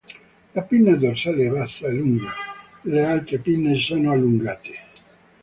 La pinna dorsale è bassa e lunga, le altre pinne sono allungate.